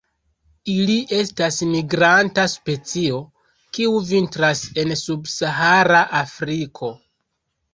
Ili estas migranta specio, kiu vintras en subsahara Afriko.